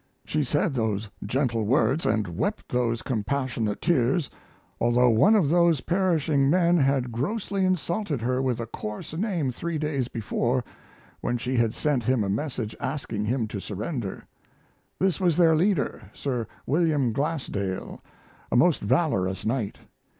She said those gentle words and wept those compassionate tears, although one of those perishing men had grossly insulted her with a coarse name three days before when she had sent him a message asking him to surrender. That was their leader, Sir William Glasdale, a most valorous knight.